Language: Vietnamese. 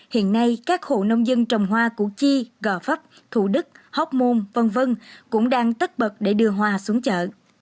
hiện nay các hộ nông dân trồng hoa củ chi gò pháp thủ đức hóc môn v v cũng đang tất bật để đưa hoa xuống chợ